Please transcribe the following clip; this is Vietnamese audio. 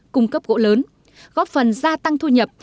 cung cấp gỗ lớn góp phần gia tăng thu nhập